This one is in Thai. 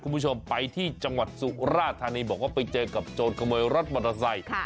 คุณผู้ชมไปที่จังหวัดสุราธานีบอกว่าไปเจอกับโจรขโมยรถมอเตอร์ไซค์